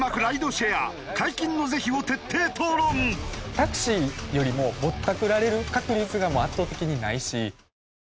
タクシーよりもぼったくられる確率が圧倒的にないし。